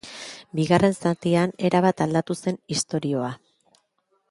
Bigarren zatian erabat aldatu zen istorioa.